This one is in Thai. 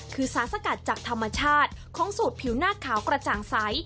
คือสารสกัดจากธรรมชาติของสูตรผิวหน้าขาวกระจ่างใส